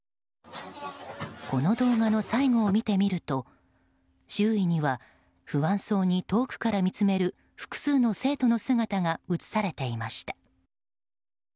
この動画の最後を見てみると周囲には不安そうに遠くから見つめる複数の生徒の姿が映されていました。